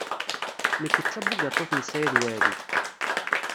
Nekk d tabugaṭut n Saɛid Waɛli.